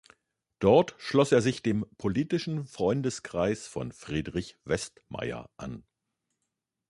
Dort schloss er sich dem politischen Freundeskreis von Friedrich Westmeyer an.